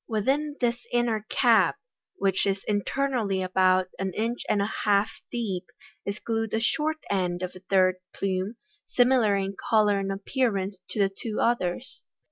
Within this inner cap, which is internally about an inch and a half deep, is glued a short end of a third plume, similar in colour and appearance to the two others.